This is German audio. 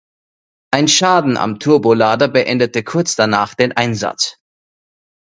Ein Schaden am Turbolader beendete kurz danach den Einsatz.